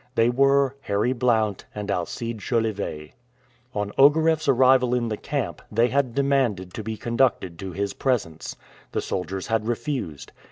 They were Harry Blount and Alcide jolivet. On Ogareff's arrival in the camp, they had demanded to be conducted to his presence. The soldiers had refused.